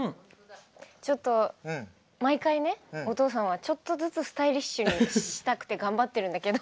ちょっと毎回ねお父さんはちょっとずつスタイリッシュにしたくて頑張ってるんだけど。